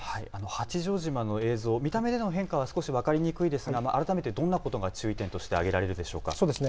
八丈島の映像、見た目での変化は少し分かりにくいですが改めてどんなことが注意点として挙げられますか。